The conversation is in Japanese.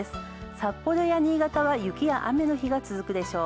札幌や新潟は、雪や雨の日が続くでしょう。